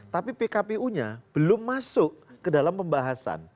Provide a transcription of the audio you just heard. tapi pkpu nya belum masuk ke dalam pembahasan